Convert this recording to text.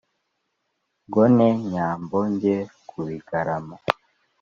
ngo nte nyambo njye ku bigarama,